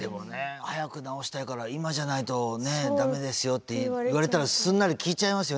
早く直したいから今じゃないとだめですよって言われたらすんなり聞いちゃいますよ。